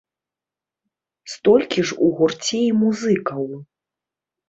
Столькі ж у гурце і музыкаў.